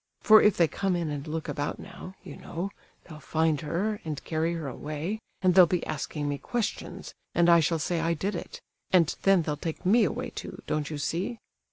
For if they come in and look about now, you know, they'll find her, and carry her away, and they'll be asking me questions, and I shall say I did it, and then they'll take me away, too, don't you see?